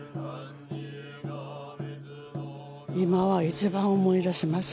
今は一番思い出します。